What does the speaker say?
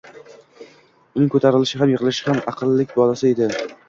Uning “ko’tarilishi” ham, “yiqilishi” ham aqllilik balosi edi.